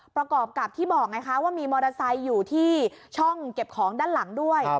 ประกอบกับที่บอกไงคะว่ามีมอเตอร์ไซค์อยู่ที่ช่องเก็บของด้านหลังด้วย